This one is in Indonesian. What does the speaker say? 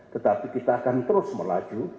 tetapi kita akan terus melaju